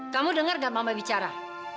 kamu dengar gak mama bicara